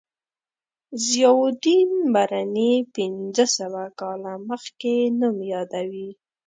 ضیاءالدین برني پنځه سوه کاله مخکې نوم یادوي.